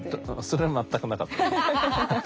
それは全くなかった。